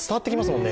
もんね